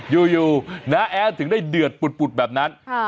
อยู่น้าแอดถึงได้เดือดปุดแบบนั้น